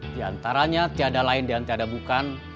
di antaranya tiada lain yang tiada bukan